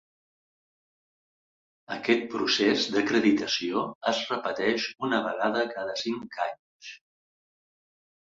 Aquest procés d'acreditació es repeteix una vegada cada cinc anys.